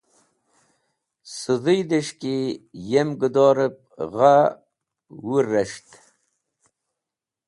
Sẽdhũydẽs̃h ki yem gẽdorẽb gha wũr rẽs̃ht.